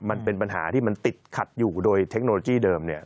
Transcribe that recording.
มันเป็นปัญหาที่มันติดขัดอยู่โดยเทคโนโลยีเดิมเนี่ย